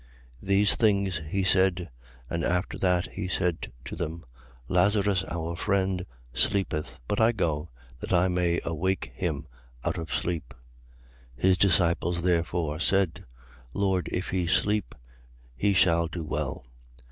11:11. These things he said; and after that he said to them: Lazarus our friend sleepeth: but I go that I may awake him out of sleep. 11:12. His disciples therefore said: Lord, if he sleep, he shall do well.